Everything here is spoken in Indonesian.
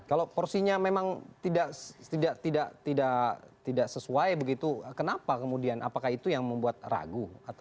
kalau porsinya memang tidak sesuai begitu kenapa kemudian apakah itu yang membuat ragu